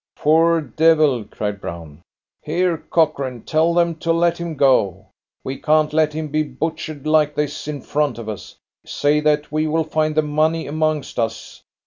"Poor devil!" cried Brown. "Here, Cochrane, tell them to let him go. We can't let him be butchered like this in front of us. Say that we will find the money amongst us.